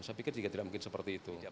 saya pikir juga tidak mungkin seperti itu